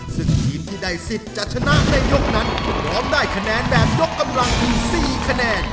ซึ่งทีมที่ได้สิทธิ์จะชนะในยกนั้นก็ร้องได้คะแนนแบบยกกำลังถึง๔คะแนน